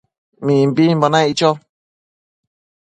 Mimbimbo naic cho